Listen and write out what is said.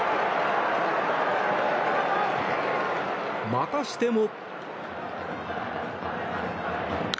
またしても。